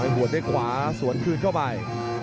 บวชด้วยขวาสวนคืนเข้าไป